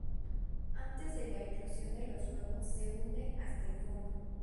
Antes de la eclosión de los huevos se hunden hasta el fondo.